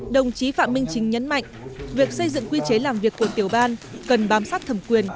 đồng chí phạm minh chính nhấn mạnh việc xây dựng quy chế làm việc của tiểu ban cần bám sát thẩm quyền